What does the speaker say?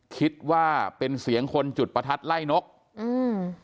คิดว่าเป็นเสียงคนจุดประทัดไล่นกอืม